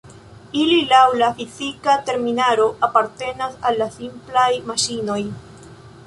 Ili laŭ la fizika terminaro apartenas al la simplaj maŝinoj.